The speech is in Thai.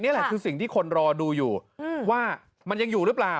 นี่คือสิ่งที่คนรอดูอยู่ว่ามันยังอยู่หรือเปล่า